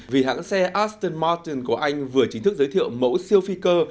vì hãng xe aston martin của anh vừa chính thức giới thiệu mẫu siêu phi cơ